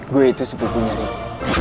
gue itu sepupunya ricky